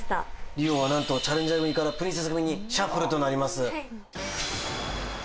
リオはなんと、チャレンジャー組からプリンセス組にシャッフルとなります。